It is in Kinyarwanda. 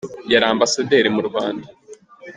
yari Ambasaderi mu Rwanda.